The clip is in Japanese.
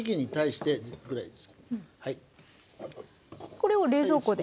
これを冷蔵庫で。